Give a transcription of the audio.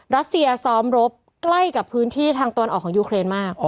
รัสเซียซ้อมรบใกล้กับพื้นที่ทางตะวันออกของยูเครนมาก